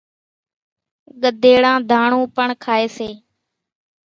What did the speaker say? ڳڌيڙان ڌاڻون پڻ کائيَ سي۔